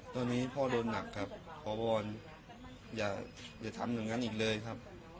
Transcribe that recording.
ตอนนี้พ่อโดนหนักครับขอวอนอย่าทำอย่างนั้นอีกเลยครับ